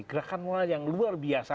gerakan moral yang luar biasa